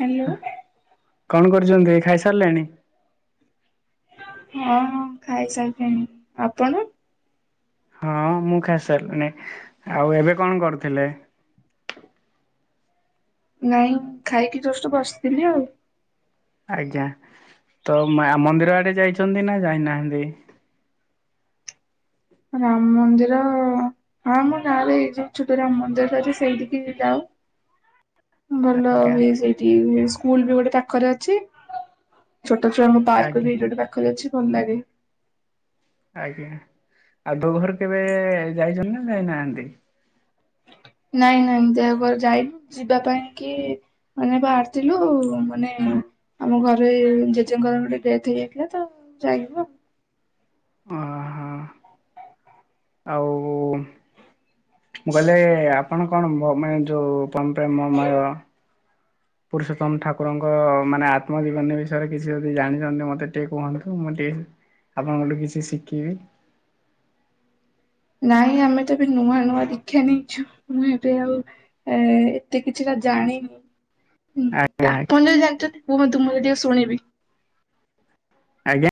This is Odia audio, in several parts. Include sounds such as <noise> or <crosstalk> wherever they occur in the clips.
ହ୍ୟାଲୋ। କଣ କରୁଛନ୍ତି ଖାଇସାରିଲେଣି? ହଁ ହଁ ଖାଇସାଇଲିଣି ଆପଣ ହଁ ମୁଁ ଖାଇସାରିଲିଣି ଆଉ ଏବେ କଣ କରୁଥିଲେ? ନାଇଁ ଖାଇକି ଜଷ୍ଟ୍ ବସିଥିଲି ଆଉ ଆଜ୍ଞା ତ ମନ୍ଦିର ଆଡେ ଯାଇଛନ୍ତି ନା ଯାଇନାହାନ୍ତି? ରାମ୍ ମନ୍ଦିର ହଁ ମୋ ଗାଁ ରେ ଏଇ ଯୋଉ ଛୋଟ ରାମ ମନ୍ଦିର ଅଛି ସେଇଠକି ଯାଉ। ଭଲ ଆଜ୍ଞା ହୁଏ ସେଇଠି ସ୍କୁଲ୍ ବି ଗୋଟେ ପାଖରେ ଅଛି। ଛୋଟ ଛୁଆ ମ ପାର୍କ ଆଜ୍ଞା ବି ଏଇଠି ଗୋଟେ ପାଖରେ ଅଛି ଭଲ ଲାଗେ। ଆଜ୍ଞା ଆଉ ଦୋ ଘରେ କେବେ ଯାଇଛନ୍ତି ନା ଯାଇନାହାନ୍ତି? ନାଇଁ ନାଇଁ ଦେହୋଘର ଯାଇନି ଯିବା ପାଇଁ କି ମାନେ ବାହାରିଥିଲୁ ଆ ମାନେ ଆମ ଘରେ ଜେଜେଙ୍କର ଗୋଟେ ଡେଥ୍ ହେଇଯାଇଥିଲା ତ ଯାଇଥୁ ହଁ। ଆଉ ମୁଁ କହିଲେ ଆପଣ କଣ ମାନେ ଯୋଉ ପମ୍ପେମମୟ ପୁରୁଷୋତ୍ତମ ଠାକୁରଙ୍କ ମାନେ ଆତ୍ମଜୀବନୀ ବିଷୟରେ କିଛି ଯଦି ଜାଣିଛନ୍ତି ମତେ ଟିକେ କୁହନ୍ତୁ ମୁଁ ଟିକେ ଆପଣଙ୍କଠୁ କିଛି ଶିଖିବି ନାଇଁ ଆମେ ତ ଏବେ ନୂଆ ନୂଆ ଦୀକ୍ଷା ନେଇଛୁ ମୁଁ ଏବେ ଆଉ ଏ ଏତେ କିଛିଟା ଜାଣିନୁ ହୁଁ ଆଜ୍ଞା ଆପଣ ଆଜ୍ଞା ଯଦି ଜାଣିଛନ୍ତି କୁହନ୍ତୁ ମୁଁ ଏ ଟିକେ ଶୁଣିବି। ଆଜ୍ଞା।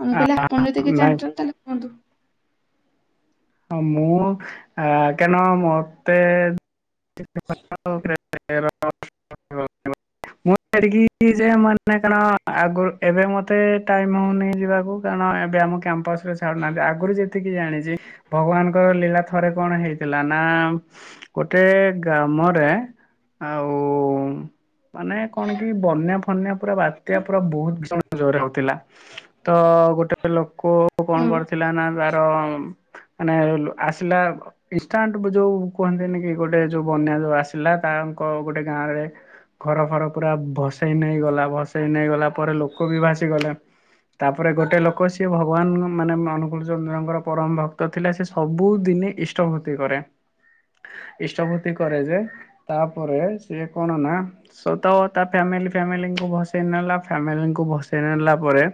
ଆ ମୁ କହିଲ ଆପଣ ଯଦି କି ନାଇଁ ଜଣିଛନ୍ତି ତାହେଲେ କୁହନ୍ତୁ। ହଁ ମୁଁ ଆ କାଣ ମତେ <unintelligible> ମୁଁ ଏଠିକି ଯେ ମାନେ କଣ ଆଗରୁ ଏବେ ମତେ ଟାଇମ୍ ହଉନି ଯିବାକୁ। କାରଣ ଏବେ ଆମ କ୍ୟାମ୍ପସ୍ ରେ ଛାୁଡ଼ୁ ନାହାନ୍ତି ଆଗରୁ ଯେତିକି ଜାଣିଛି। ଭଗବାନଙ୍କର ଲୀଳା ଥରେ କଣ ହେଇଥିଲା ନା ଗୋଟେ ଗ୍ରାମରେ ଆଉ ମାନେ କଣ କି ବନ୍ୟା ଫନ୍ୟା ପୁରା ବାତ୍ୟା ପୁରା ବହୁତ୍ ଭିସଣ ଜୋରରେ ହଉଥିଲା। ତ ଗୋଟେ ଲୋକ କଣ ହଁ କରିଥିଲା ନା ତାର ମାନେ ଆସିଲା ଇନାଣ୍ଟ ଯୋଉ କୁହନ୍ତିନି କି ଗୋଟେ ଯୋଉ ବନ୍ୟା ଯୋଉ ଆସିଲା ତାଙ୍କ ଗୋଟେ ଗାଁ ରେ ଘର ଫର ପୁରା ଭସେଇ ନେଇଗଲା ଭସେଇ ନେଇ ଗଲା ପରେ ଲୋକ ବି ଭାସିଗଲେ। ତାପରେ ଗୋଟେ ଲୋକ ସିଏ ଭଗବାନ ମାନେ ଅନୁକୂଳ ଚନ୍ଦ୍ରଙ୍କର ପରମ ଭକ୍ ତ ଥିଲା ସେ ସବୁଦିନେ ଇଷ୍ଟ ଭୂର୍ତ୍ତି କରେ ଇଷ୍ଟ ଭୂର୍ତ୍ତି କରେ ଯେ ତାପରେ ସିଏ କଣ ନା ସ ତ ତା ଫ୍ୟାମିଲି ଫ୍ୟାମିଲିଙ୍କୁ ଭସେଇ ନେଲା ଫ୍ୟାମିଲିଙ୍କୁ ଭସେଇ ନେଲା ପରେ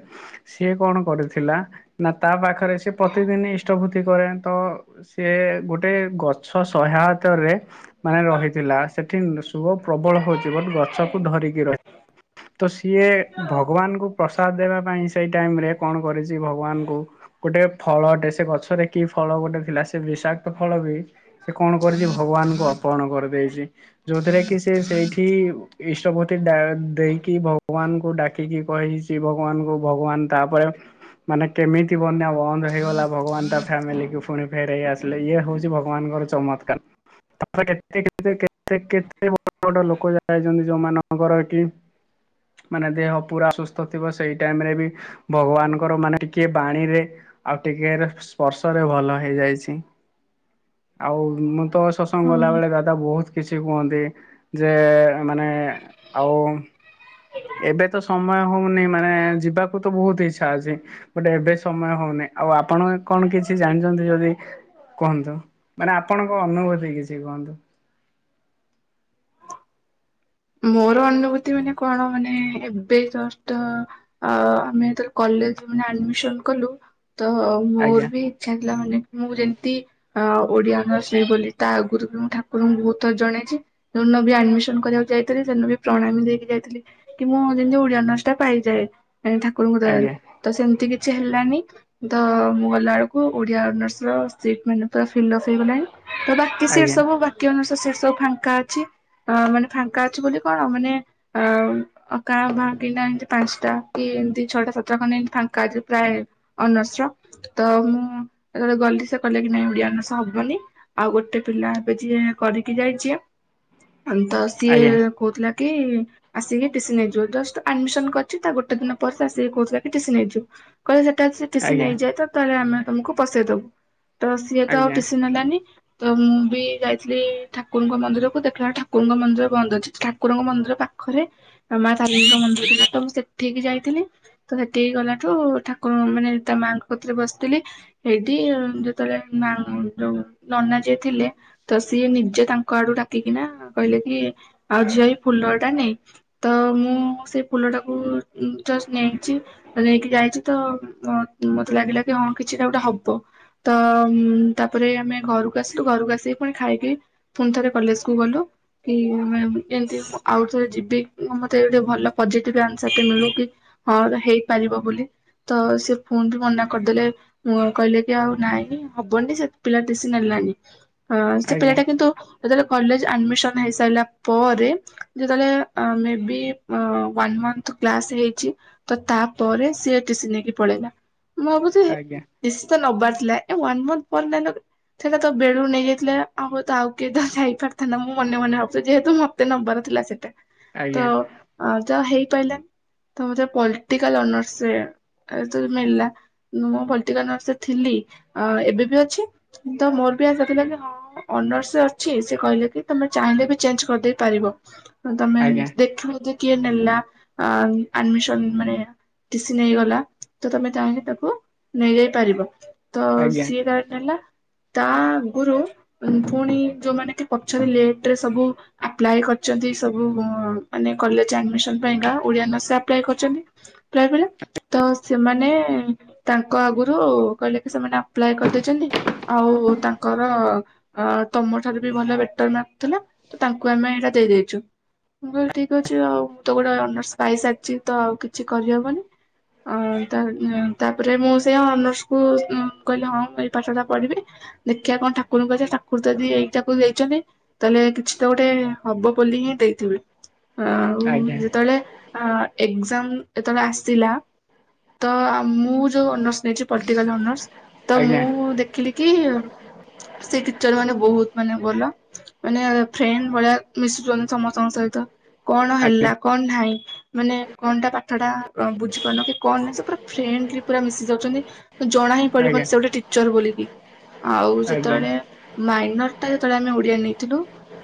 ସିଏ କଣ କରିଥିଲା ନା ତା ପାଖରେ ସେ ପ୍ରତିଦିନି ଇଷ୍ ପ୍ରବୁତି କରେ ତ ସିଏ ଗୋଟେ ଗଛ ସହାୟତରେ ମାନେ ରହିଥିଲା ସେଠି ଶୁଭ ପ୍ରବଳ ହଉଛି ଗଛ ଗଛକୁ ଧରିକି ରହି ତ ସିଏ ଭଗବାନଙ୍କୁ ପ୍ରସାଦ ଦେବା ପାଇଁ ସେଇ ଟାଇମରେ କଣ କରିଛି ଭଗବାନଙ୍କୁ ଗୋଟେ ଫଳଟେ ସେ ସେ ଗଛରେ କି ଫଳ ଗୋଟେ ଥିଲା ସେ ବିଷାକ୍ତ ଫଳ ବି ସେ କଣ କରିଛି ଭଗବାନଙ୍କୁ ଅର୍ପଣ କରିଦେଇଛି, ଯୋଉଥିରେ କି ସେ ସେଇଠି। ଇଷ୍ଟ ପ୍ରତି ଦେଇକି ଭଗବାନଙ୍କୁ ଡାକିକି କହିଛି, ଭଗବାନଙ୍କୁ ଭଗବାନ ତାପରେ ମାନେ କେମିତି ବନ୍ୟା ବନ୍ଦ ହେଇଗଲା। ଭଗବାନ ତା ଫ୍ୟାମିଲିକୁ ପୁଣି ଫେରେଇ ଆସିଲେ ଇଏ ହଉଛି ଭଗବାନଙ୍କର ଚମତ୍କାର। କେତେ କେ କେତେ କେତେ ବ ବଡ ଲୋକ ଯାାଇଛନ୍ତି ଯୋଉମାନଙ୍କର କି ମାନେ ଦେହ ପୁରା ସୁସ୍ଥ ଥିବ ସେଇ ଟାଇମ୍ ରେ ବି ଭଗବାନଙ୍କର ମାନେ ଟିକେ ବାଣୀରେ ଆଉ ଟିକେ ପର୍ଶରେ ଭଲ ହେଇଯାଇଛି। ଆଉ ମୁଁ ତ ସସଂଗ ହଁ। ଗଲାବେଳେ ଗା ତ ବହୁତ କିଛି କୁହନ୍ତି ଯେ ମାନେ ଆଉ ଏବେ ତ ସମୟ ହଉନି ମାନେ ଯିବାକୁ ତ ବହୁତ ଇଚ୍ଛା ଅଛି। ଗୋଟେ ଏବେ ସମୟ ହଉନି, ଆଉ ଆପଣ କଣ କିଛି ଜାଣିଚନ୍ତି ଯଦି କୁହନ୍ତୁ, ମାନେ ଆପଣଙ୍କ ଅନୁଭୂତି କିଛି କୁହନ୍ତୁ। ମୋର ଅନୁଭୂତି ମାନେ କଣ ମାନେ ଏବେ ଜଷ୍ଟ ଅ, ଆମେ ଯେତେବେଳେ କଲେଜ୍ ମାନେ ଆଡମିସନ୍ କଲୁ। ତ ଆଜ୍ଞା ମୋର ବି ଇଚ୍ଛା ଥିଲା ମାନେ ମୁଁ ଯେମତି ଆ, ଓଡିଆ ଅନର୍ସ ନେବି ବୋଲି ତା ଆଗରୁ ବି ମୁଁ ଠାକୁରଙ୍କୁ ବହୁତ ଥର ଜଣେଇଛି। ଯୋଉ ନ ବି ଆଡମିସନ୍ କରିବାକୁ ଯାଇ ଥିରେ ସେଇ ନ ବି ପ୍ରଣାମ ହେଇକି ଯାଇଥିଲି କି ମୁଁ ଯେମିତି ଓଡିଆ ଅନର୍ସ ଟା ପାଇଯାଏ। ଏ ଠାକୁରଙ୍କ ଦୟାରୁ। ଆଜ୍ଞା ତ ସେମିତି କିଛି ହେଲାନି, ତ ମୁଁ ଗଲା ବେଳକୁ ଓଡିଆ ଅନର୍ସର ସିଟ୍ ମିଳିଲା। ତ ଫିଲପ୍ ହେଇଗଲାଣି। ତ ବାକି ସିଟ୍ ଆଜ୍ଞା ସବୁ ବା ତୀୟ ମାସ ସେ ସବୁ ଫାଙ୍କା ଅଛି। ଅ, ମାନେ ଫାଙ୍କା ଅଛି ବୋଲି କଣ ମାନେ ଆଉ ଅ, କାଁ ଭାଁ କି ନା ଏମିତି ପାନ୍ସଟା କି ଏମିତି ଛଅ ଟା ସାତ ଟା ଖଣ୍ଡେ ଏମିତି ଫାଙ୍କା ଅଛି ପ୍ରାୟ। ଅନର୍ସ ର ତ ମୁଁ ଯେତେବେଳେ ଗଲି ସେ କହିଲେ କି ନାଇଁ ଓଡ଼ିଆ ଅନର୍ସ ହବନି। ଆଉ ଗୋଟେ ପିଲା ଏବେ ଯିଏ କରିକି ଯାଇଛି ଏ, ହଁ ତ ସିଏ ଆଜ୍ଞା କହୁଥିଲା କି ଆସିକି ଟିସି ନେଇଯିବ। ଜଷ୍ଟ ଆଡମିସନ୍ କରିଛି ତା ଗୋଟେ ଦିନ ପରେ ସିଏ ଆସିକି କହୁଥିଲା କି ଟିସି ନେଇଯିବ। କହିଲେ ସେଟା ସି ଟିସି ଆଜ୍ଞା ନେଇଇଯାଏ ତ ତାହେଲେ ଆମେ ତୋମକୁ ପସେଇଦବୁ। ତ ସିଏ ତ ଆଉ ଆଜ୍ଞା ଟିସି ନେଲାନି। ତ ମୁଁ ବି ଯାଇଥିଲି ଠାକୁରଙ୍କ ମନ୍ଦିରକୁ, ଦେଖିଲା ଠାକୁରଙ୍କ ମନ୍ଦିର ବନ୍ଦ ଅଛି। ଠାକୁରଙ୍କ ମନ୍ଦିର ପାଖରେ ଅ, ମା ତାରିଣୀଙ୍କ ମନ୍ଦିର ଥିଲା ତ ମୁଁ ସେଠିକି ଯାଇଥିଲି। ତ ସେଠିକି ଗଲାଠୁ ଠାକୁରଙ୍କ ମାନେ ତା ମାଆଙ୍କ କତିରେ ବସିଥିଲି। ହେଇଠି ଯେତେବେଳେ ମା ଉଁ, ଯୋଉ ନନା ଯିଏ ଥିଲେ ତ ସିଏ ନିଜେ ତାଙ୍କ ଆଡୁ ଡାକିକିନା କହିଲେ କି ଆଉ ଝିଅ ଏଇ ଫୁଲ ଟା ନେ। ତ ମୁଁ ସେ ଫୁଲ ଟାକୁ ଉଁ, ଜଷ୍ଟ ନେଇଛି। ନେଇକି ଯାଇଛି ତ ଉଁ, ମ-ମୋତେ ଲାଗିଲା କି ହଁ କିଛି ଟା ଗୋଟେ ହବ। ତ ଉଁ, ତାପରେ ଆମେ ଘରକୁ ଆସିଲୁ ଘରକୁ ଆସିକି ପୁଣି ଖାଇକି ପୁଣି ଥରେ କଲେଜ୍ କୁ ଗଲୁ। କି ମେ ବି ଏମିତି ଆଉ ଥରେ ଯିବି। ଅ, ମୋତେ ଗୋଟେ ଭଲ ପଜିଟିଭ ଆନ୍ସର୍ ଟେ ମିଳୁ କି ହଁ ଏବେ ହେଇପାରିବ ବୋଲି। ତ ସେ ପୁଣି ବି ମନା କରିଦେଲେ। ମୁଁ କହିଲେ କି ଆଉ ନାଇଁ ହବନି ସେ ପିଲା ଟିସି ନେଲାନି। ହଁ ସେ ଆଜ୍ଞା ଆଜ୍ଞା ପିଲାଟା କିନ୍ତୁ ଯେତେବେଳେ କଲେଜ୍ ଆଡମିସନ୍ ହେଇସାରିଲା ପରେ ଯେତେବେଳେ ଅ, ମେ ବି ଅ, ୱାନ୍ ମନ୍ଥ କ୍ଲାସ୍ ହେଇଛି। ତ ତାପରେ ସିଏ ଟିସି ନେଇକି ପଳେଇଲା। ମୁଁ ଭାବୁଛି ଆଜ୍ଞା। ଟିସି ଟା ନବାର ଥିଲା ଏ ୱାନ୍ ମନ୍ଥ ପରେ ନେଲ ସେଟା ତ ବେଳୁ ନେଇଯାଇଥିଲେ ଆହୁ ତ ଆଉ କିଏ ତ ଯାଇପାରିଥାନ୍ତା। ମୁଁ ମନେ ମନେ ଭାବୁ ଯେହେତୁ ମୋତେ ନବର ଥିଲା ସେଟା, ତ ଆଜ୍ଞା ଅ, ଯାହା ହେଇପାଇଲାନି। ତ ମୋତେ ପଲିଟିକାଲ ଅନର୍ସେ ଏ ତ ମିଳିଲା। ମୁଁ ପଲଟିକାଲ ଅନର୍ସ ରେ ଥିଲି, ଅ, ଏବେ ବି ଅଛି। ତ ମୋର ବି ଆସାଥିଲା କି ହଁ ଅନର୍ସ ଅଛି। ସେ କହିଲେ କି ତୋମେ ଚାହିଁଲେ ବି ଚେଞ୍ଜ କରିଦେଇ ପାରିବ। ଅ, ତୋମେ ଆଜ୍ଞା ଦେଖିବ ଯେ କିଏ ନେଲା ଆ, ମ -ଆଡ଼ମିସନ୍ ମାନେ ଟିସି ନେଇଗଲା, ତ ତୋମେ ଚାହିଁଲେ ତାକୁ ନେଇଯାଇ ପାରିବ। ତ ଆଜ୍ଞା ସିଏ କାଢ ନେଲା। ତା ଆଗରୁଉଁ, ଫୁଣି ଯୋଉମାନେ କି ପଛରେ ଲେଟ୍ ରେ ସବୁ ଆପ୍ଲାଏ କରିଚନ୍ତି ସବୁ ଉଁ, ମାନେ କଲେଜ୍ ଆଡମିସନ୍ ପାଇଁକା ଓଡିଆ ଅନର୍ସ ରେ ଆପ୍ଲାଏ କରିଚନ୍ତି। ପ୍ରାଏ ବେଳେ ସେମାନେ ତାଙ୍କ ଆଗରୁ କହିଲେ କି ସେମାନେ ଆପ୍ଲାଏ କରିଦେଇଛନ୍ତି। ଆଉ ତାଙ୍କର ତମ ଠାରୁ ବି ଭଲ ବେଟର ମାର୍କ ଥିଲା। ତ ତାଙ୍କୁ ଆମେ ଏଇଟା ଦେଇଦେଇଛୁ। ମୁଁ କହିଲି ଠିକ୍ ଅଛି ଆଉ ମୁଁ ତ ଗୋଟେ ଅନର୍ସ ପାଇ ସାରିଚି ତ ଆଉ କିଛି କରିହେବନି। ଆଉ ତା ତାପରେ ମୁଁ ସେ ଅନର୍ସକୁ କହିଲି ହଁ ଏ ପାଠଟା ପଢ଼ିବି। ଦେଖିବା କଣ ଠାକୁରଙ୍କୁ କ ଠାକୁର ଯଦି ଏଇଟାକୁ ଦେଇଛନ୍ତି। ତାହେଲେ କିଛି ଗୋଟେ ହବ ବୋଲି ହିଁ ଦେଇଥିବେ ଆଉ ଆଜ୍ଞା ଯେତେବେଳେ ଅ ଏକ୍ଜାମ ଯେତେବେଳେ ଆସିଥିଲା। ତ ମୁଁ ଯୋଉ ଅନର୍ସ ନେଇଛି ପଲିଟିକାଲ ଅନର୍ସ ତ ଆଜ୍ଞା ମୁଁ ଦେଖିଲି। କି ସେ ଟିଚର ମାନେ ବହୁତ ମାନେ ଭଲ। ମାନେ ଫ୍ରେଣ୍ଡ ଭଳିଆ ମିଶୁଛନ୍ତି ସମସ୍ତଙ୍କ ସହିତ କଣ ଆଜ୍ଞା ହେଲା। କଣ ନାହିଁ ମାନେ କଣଟା ପାଠଟା ବୁଝିପାରୁନ କି କଣ ନାହିଁ ସେ ପୁରା ଫ୍ରେଣ୍ଡଲି ପୁରା ମିଶି ଯାଉଛନ୍ତି। ଜଣା ହିଁ ଆଜ୍ଞା ପଡିବନି ସେ ଗୋଟେ ଟିଚର ବୋଲିକି। ଆଉ ଆଜ୍ଞା ଯେତେବେଳେ ମାଇନର ଟା ଯେତେବେଳେ ଆମେ ଓଡିଆ ନେଇଥିଲୁ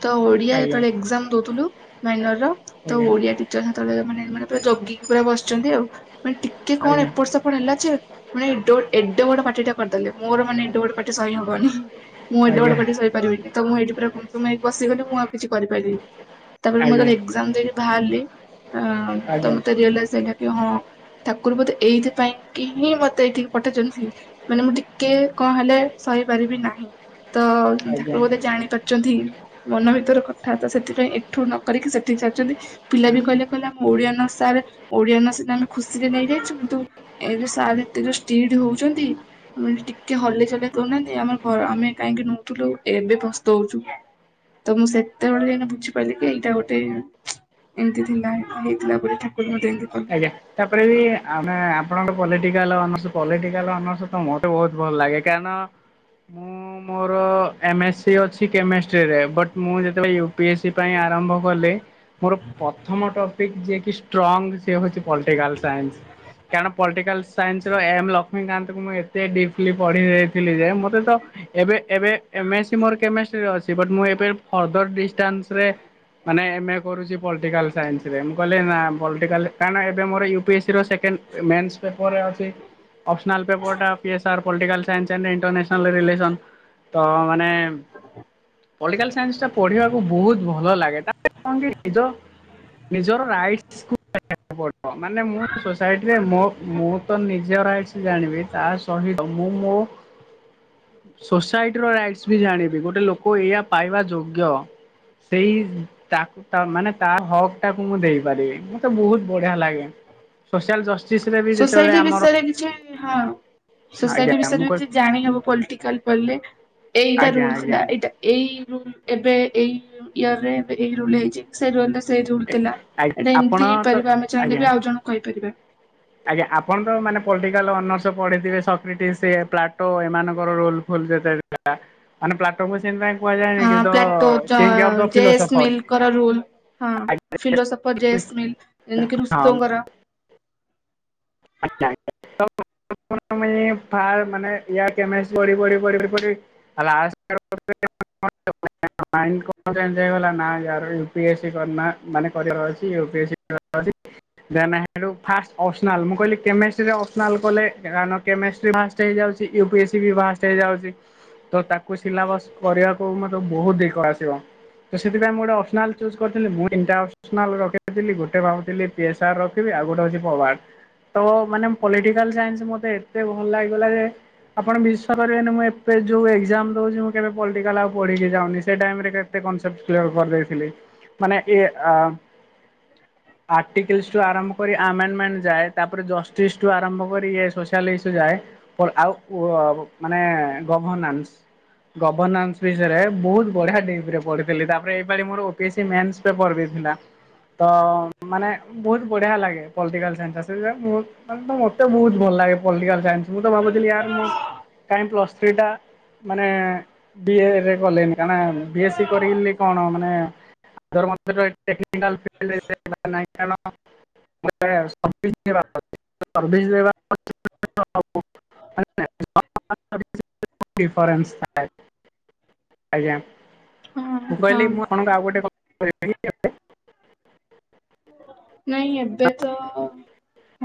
ତ ଓଡିଆ ଆଜ୍ଞା ଯେତେବେଳେ ଏକ୍ଜାମ ଦଉଥିଲୁ ମାଇନର ର। ତ ଆଜ୍ଞା ଆଜ୍ଞା ଓଡିଆ ଟିଚର ସେତେବେଳେ ମାନେ ମାନେ ଜଗିକି ପୁରା ବସିଛନ୍ତି। ଆଉ ମାନେ ଟିକେ କଣ ଆଜ୍ଞା ଏପଟ ସ କଣ ହେଲା ଯେ ମାନେ ଏ ଏଡେ ବୋଡ ପାର୍ଟି ଟା କରିଦେଲେ ମୋର ମାନେ ଏଡେ ଗୋଡେ ପାର୍ଟି ସହି ହବନି। ମୁଁ ଏଡେ ବଡ ପାଠି ଆଜ୍ଞା ସୋଇପାରିବିନି ତ ମୁଁ ଏଇଠି ପୁରା ବସିଗଲି ମୁଁ ଆଉ କିଛି କରିପାରିବିନି। ତାପରେ ମୁଁ ତେ ଏକ୍ସାମ୍ ଦେଇକି ବାହାରି ତ ଆଜ୍ଞା ରିଏଲାଇଜ୍‌ କି ହଁ ଠାକୁର ବୋଧେ ଏଇଥି ପାଇଁକି ହିଁ ମତେ ଏଇଠିକି ପଠେଇଛନ୍ତି। ମାନେ ମୁଁ ଟିକେ କଣ ହେଲେ ସହିପାରିବି ନାହିଁ। ତ ଆଜ୍ଞା ଠାକୁର ବୋଧେ ଜାଣି ପାରୁଛନ୍ତି। ମନ ଭିତରେ କଥାତା ସେଥିପାଇଁ ଏଠୁ ନ କରିକି ସେଠିକି ସାରିଛନ୍ତି ପିଲା ବି କହିଲେ କହିଲା। ଓଡିଆ ନ ସାରେ ଓଡ଼ିଆ ନ ସତା ଆମେ ଖୁସିରେ ନେଇଯାଇଛୁ କିନ୍ତୁ ଏବେ ସାର ଏତେ ଯେତେଜୋରସେ ସ୍ତିଡ୍‌ ହଉଛନ୍ତି। ଆମେ ଟିକେ ହଲେଇ ଚଳେଇ ଦଉନାହାନ୍ତି ଆମର ଘ ଆମେ କାହିଁକି ନଉଥିଲୁ ଏବେ ଫସ୍ତ ହଉଛୁ। ତ ମୁଁ ସେତେବେଳେ ବୁଝିପାରିଲି କି ଏଇଟା ଗୋଟେ ଏମିତି ଥିଲା ହେଇଥିଲା ବୋଲି ଠାକୁର ମ ଏମିତି କଲେ। ତାପରେ ବି ଆମେ ଆପଣଙ୍କର ପଟିଲିଟିକାଲ ଅନର୍ସ ପାଲିଟିକାଲ ଅନର୍ସ ତମର। ତେ ବହୁତ ଭଲ ଲାଗେ କାରଣ ମୁଁ। ମୋର ଏମ ଏସ୍ ସି ଅଛି କେମିଷ୍ଟ୍ରିରେ ବଟ ମୁଁ ଯେତେବେଳେ ୟୁ ପି ଏସ୍ ସ ପାଇଁ ଆରମ୍ଭ କଲି। ମୋର ପ୍ରଥମ ଟପିକ ଯିଏକ ଷ୍ଟ୍ରଙ୍ଗ ସେ ହଉଛି ପଲିଟିକାଲ ସାଇନ୍ସ। କାରଣ ପଲିଟିକାଲ ସାଇନ୍ସ ର ଏମ ଲକ୍ଷ୍ମୀକାନ୍ତ କ ମୁଁ ଏତେ ଡିପଲି ପଢି ଦେଇଥିଲି ଯେ ମତେ ତ ଏ ଏବେ ଏବେ ଏ ମେ ସି ମୋର କେମେଷ୍ଟ୍ରି ଫଦର ଡିଷ୍ଟାନ୍ସ। ମାନେ ଏମ୍ ଏ କରୁଛି ପଲିଟିକାଲ ସାଇନ୍ସ ରେ ମୁଁ କହିଲି ନା ପଟିକାଲ କାହିଁକି ନା ଏବେ ମୋରୟୁ ପି ଏସ୍ସି ର ସେକେଣ୍ଡ ମେନ୍ସ ପେପରରେ ଅଛି। ଅପ୍ ସ୍ପିନାଲ ପେପର ଟା piece R political science and international relation. ତ ମାନେ ପଲ୍ଟିକାଲ ସାଇନ୍ସ ଟା ପଢିବାକୁ ବହୁତ ଭଲ ଲାଗେ। ନିଜର ରାଇଟସ କୁ ମାନେ ମୁଁ ସୋସାଇଟିରେ ମୋ ମୁଁ ତ ନିଜ ରାଇଟ୍ସ ଜାଣିବି। ତା ସହିତ ମୁଁ ମୋ ସୋସାଇଟିର ରାଇଟସ୍ ବି ଜାଣିବି ଗୋଟେ ଲୋକ ଏଇଆ ପାଇବା ଯୋଗ୍ୟ। ସେଇ ତାକୁ ମାନେ ତା ହକ୍ ଟାକୁ ମୁଁ ଦେଇପାରିବି। ବହୁତ ବଢିଆ ଲାଗେ ସୋସିଆଲ ରେ ବି ଯେତେବେଳେ ସୋସାଇଟି ଆମର ବିଷୟରେ କିଛି ହଁ, ସୋସାଇଟି ଆଜ୍ଞା ମୁଁ ବିଷୟରେ କହି କିଛି ଜାଣିହବ ପଲିଟିକାଲ ବୋଲି ଏଇଟା ଆଜ୍ଞା ରୁଲ ଆଜ୍ଞା। ଥିଲା ଏଇଟା। ଏଇ ରୁଲ ଏବେ ଏଇ ଇୟରରେ ଏବେ ଏଇ ରୁଲ ହେଇଚି। ସେଇ ରୁଲ ସେଇ ରୁଲ ଥିଲା ଆ ଏଇଟା ଆପଣ ଏମିତି ତ ହେଇପାରିବ ଆମେ ଚାହିଁଲେ ଆଜ୍ଞା। ବି ଆଉ ଜଣଙ୍କୁ କହିପାରିବା। ଆଜ୍ଞା ଆପଣଙ୍କର ମାନେ ପଲଟିକାଲ ଅନର୍ସ ତ ପଢିଥିବେ ସକ୍ରିଟି ସେ ପ୍ଲାଟୋ ଏମାନଙ୍କର ରୋଲ ଫୋଲ ଯେତେବେଳେ ଥିଲା। ମାନେ ପ୍ଲାଟୋ <unintelligible> ହଁ ପ୍ଲାଟୋ ଚ ଜେସ୍ ଫିଲୋସଫର୍ସ। ମିଲକର ରୁଲ। ହଁ, ଫିଲୋସଫର୍ ଜେସ୍ ମିଲ୍ ଯେମିତି କି ଋଷଙ୍କର। <unintelligible> ଆପଣ ମାନେ ଫା ମାନେ ଇଆ ମାକ୍ସ ବଢି ବଢି ବଢି ଲା <unintelligible> ମାଇଣ୍ଡ କଣ ଚେଞ୍ଜ ହେଇଗଲା। ନା ୟାର ୟୁପିଏସି କରି ନା କରିବାର ଅଛି। ୟୁପିଏସି <unintelligible> ଫାଷ୍ଟ୍ ଅପସନାଲ ମୁଁ କହିଲି କେମିଷ୍ଟ୍ରିରେ ଅପସନାଲ୍ କଲେ କଣ କେମିଷ୍ଟ୍ରି ଫାଷ୍ଟ ହେଇଯାଉଛି। ୟୁ ପି ଏସ୍ ସି ବି ଫାଷ୍ଟ ହେଇଯାଉଛି। ତ ତାକୁ ସିଲାବସ କରିବାକୁ ମତେ ବହୁତ ଇଗୋ ଆସିବ। ତ ସେଥିପାଇଁ ମୁଁ ଗୋଟେ ଅପସନାଲ୍ ଚୁଜ୍ କରିଥିଲି। ମୁଁ ତିନଟା ଅପସନାଲ୍ ରଖିଥିଲି। ଗୋଟେ ଭାବୁଥିଲି ପି ଏ ସାର୍ ରଖିବି। ଆଉ ଗୋଟେ ହଉଛି ପବାଡ। ତ ମାନେ ପଲିଟିକାଲ ସାଇନ୍ସ ମତେ ଏତେ ଭଲ ଲାଗି ଗଲା ଯେ ଆପଣ ବିଶ୍ୱା କରିବେନି ମୁଁ ଏବେ ଯୋଉ ଏକ୍ଜାମ ଦଉଛି ମୁଁ କେବେ ପଲିଟିକାଲ ଆଉ ପଢିକି ଯାଉନି। ସେ ଟାଇମରେ କନସେପ୍ଟ କ୍ଲିୟର କରିଦେଇଥିଲି। ମାନେ ଇଏ ଆ ଆର୍ଟିକିଲସ ଟୁ ଆରମ୍ଭ କରି ଆମେଣ୍ଟମେଣ୍ଟ ଯାଏ। ତାପରେ ଜଷ୍ଟିଠୁ ଆରମ୍ଭ କରି ଇଏ ସୋସିଆଲ ଇସୁ ଯାଏ। ଆଉ ମାନେ ଗଭନାନ୍ସ। ଗଭର୍ଣ୍ଣାନ୍ସ ବିଷୟରେ ବହୁତ ବଢିଆ ଡିଗ୍ରୀରେ ପଢିଥିଲି। ତାପରେ ଏପାଳି ମୋର ଓପିଏସି ମେନ୍ସ ପେପର୍ ବି ଥିଲା। ତ ମାନେ ବହୁତ ବଢିଆ ଲାଗେ। ପଲଟିକାଲ ସା <unintelligible> ମତେ ବହୁତ ଭଲ ଲାଗେ ପଲଟିକାଲ ସାଇନ୍ସ। ମୁଁ ତ ଭାବୁଥିଲି ୟାର ମୁଁ କାହିଁ ପ୍ଲସ୍ ଥ୍ରୀ ଟା ମାନେ ବିଏରେ କଲେନି। କାରଣ ବି ଏ ସି କରି କଣ ମାନେ <unintelligible> <unintelligible> <unintelligible> ଡିଫରେନ୍ସ ଥାଏ। ଆଜ୍ଞା। ହଁ ମୁଁ କହିଲି ହଁ। ମୁଁ ଆପଣଙ୍କୁ ଆଉ ଗୋଟେ <unintelligible> ନାଇଁ ଏବେ ତ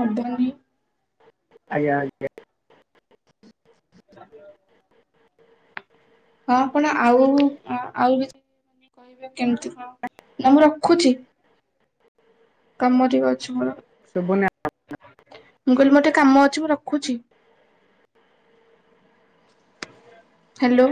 ହବନି। ଆଜ୍ଞା ଆଜ୍ଞା। <unintelligible> ହଁ ଆପଣ ଆଉ ଆଉ ବି ଯେମିତି କହିବେ କେମତି କଣ ନା ମୁଁ ରଖୁଛି। କାମ ଟିକେ ଅଛି ମୋର। ଶୁଭୁନି। ମୁଁ କହିଲି ମୋର ଟିକେ କାମ ଅଛି ମୁଁ ରଖୁଛି। ହ୍ୟାଲୋ।